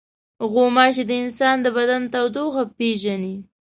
غوماشې د انسان د بدن تودوخه پېژني.